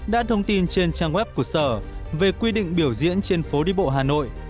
đã thông tin trên trang web của sở về quy định biểu diễn trên phố đi bộ hà nội